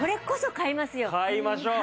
買いましょう！